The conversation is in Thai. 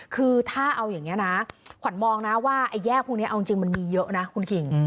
คือถ้าเอาอย่างนี้นะขวัญมองนะว่าไอ้แยกพวกนี้เอาจริงมันมีเยอะนะคุณคิง